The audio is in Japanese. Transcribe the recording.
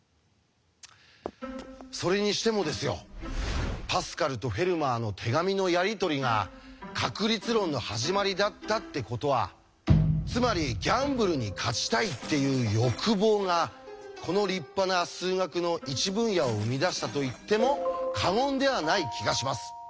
それにしてもですよパスカルとフェルマーの手紙のやり取りが確率論の始まりだったってことはつまりギャンブルに勝ちたいっていう欲望がこの立派な数学の一分野を生み出したと言っても過言ではない気がします。